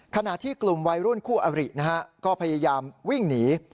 ขณะที่กลุ่มวัยรุ่นคู่อรินะฮะก็พยายามวิ่งหนี